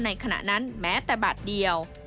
ขณะนั้นแม้แต่บาทเดียว